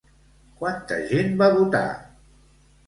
Quanta gent va votar?